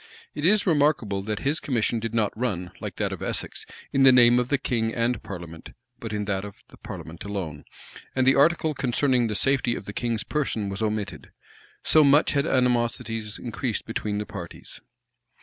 [] It is remarkable that his commission did not run, like that of Essex, in the name of the king and parliament, but in that of the parliament alone; and the article concerning the safety of the king's person was omitted: so much had animosities increased between the parties.